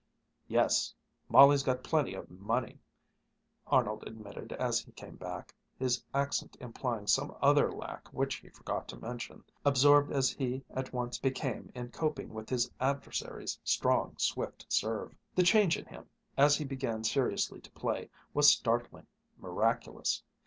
"Yes, Molly's got plenty of money," Arnold admitted as he came back, his accent implying some other lack which he forgot to mention, absorbed as he at once became in coping with his adversary's strong, swift serve. The change in him, as he began seriously to play, was startling, miraculous.